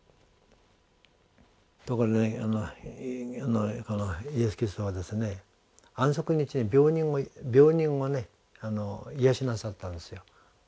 ところがイエス・キリストは安息日に病人をね癒やしなさったんですよ。